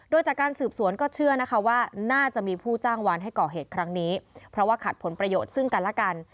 โดยจากการสืบสวนก็เชื่อนะคะว่าน่าจะมีผู้จ้างวานให้ก่อเหตุครั้งนี้เพราะว่าขัดผลประโยชน์ซึ่งกันและกัน